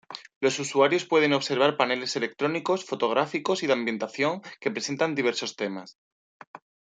Los usuarios pueden observar paneles electrónicos, fotográficos y de ambientación, que presentan diversos temas.